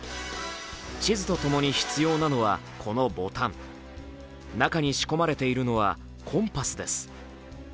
地図と共に必要なのは、このボタン。中に仕込まれているのはコンパスです。